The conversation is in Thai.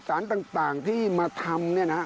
สารต่างที่มาทำ